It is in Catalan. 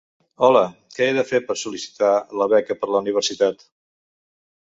Hola, que he de fer per sol·licitar la beca per la universitat?